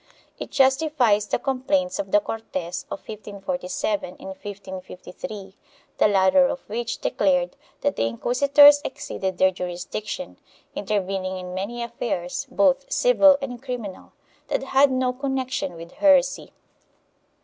It justifies the complaints of the Cortes of 1547 and 1553, the latter of which declared that the inquisitors exceeded their juris diction, intervening in many affairs, both civil and criminal, that had no connection with heresy.